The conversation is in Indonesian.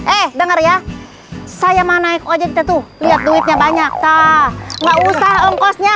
eh denger ya saya mana ikut aja tuh lihat duitnya banyak tak usah engkosnya